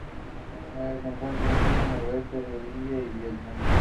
Su carrera literaria responde a la búsqueda de un realismo mágico próximo al surrealismo.